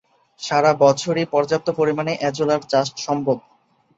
সারা বছরই পর্যাপ্ত পরিমাণে অ্যাজোলার চাষ সম্ভব।